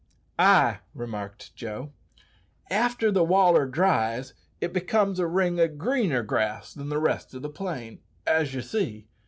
"Ay," remarked Joe; "after the waller dries, it becomes a ring o' greener grass than the rest o' the plain, as ye see.